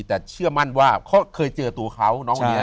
เพราะฉะนั้นว่าเขาเคยเจอตัวเขา